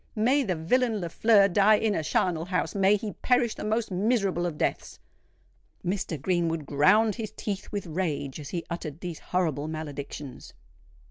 May the villain Lafleur die in a charnel house—may he perish the most miserable of deaths!" Mr. Greenwood ground his teeth with rage as he uttered these horrible maledictions.